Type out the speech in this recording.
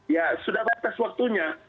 ya sudah batas waktunya